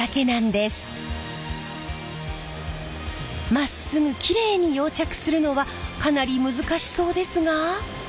まっすぐきれいに溶着するのはかなり難しそうですが。